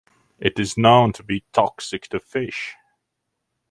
It is known to be toxic to fish.